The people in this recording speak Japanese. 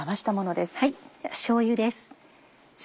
ではしょうゆです。